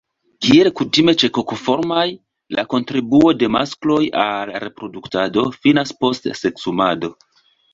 Kiel kutime ĉe Kokoformaj, la kontribuo de maskloj al reproduktado finas post seksumado.